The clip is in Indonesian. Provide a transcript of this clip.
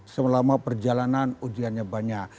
selama perjalanan ujiannya banyak